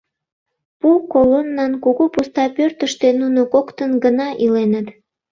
Пу колоннан кугу пуста пӧртыштӧ нуно коктын гына иленыт.